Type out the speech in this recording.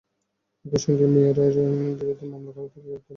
একই সঙ্গে মেয়রের বিরুদ্ধে মামলা করে তাঁকে গ্রেপ্তারের নির্দেশ দেওয়া হয়েছে।